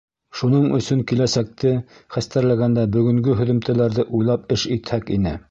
Шуның өсөн киләсәкте хәстәрләгәндә бөгөнгө һөҙөмтәләрҙе уйлап эш итһәк ине.